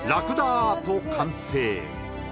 アート完成